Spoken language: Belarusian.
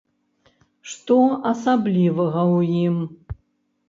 Што асаблівага ў ім?